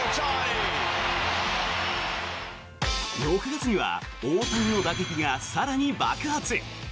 ６月には大谷の打撃が更に爆発。